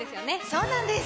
そうなんです。